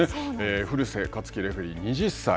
古瀬健樹レフェリー、２０歳。